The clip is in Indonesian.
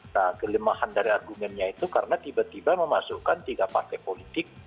nah kelemahan dari argumennya itu karena tiba tiba memasukkan tiga partai politik